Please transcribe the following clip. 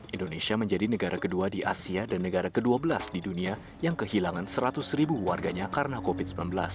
indonesia menjadi negara kedua di asia dan negara ke dua belas di dunia yang kehilangan seratus ribu warganya karena covid sembilan belas